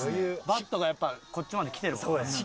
バットがやっぱこっちまで来てるもんね。